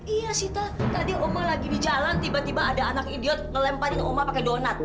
iya sita tadi oma lagi di jalan tiba tiba ada anak idiot ngelemparin oma pakai donat